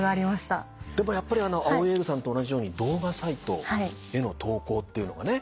でもやっぱり藍井エイルさんと同じように動画サイトへの投稿っていうのがね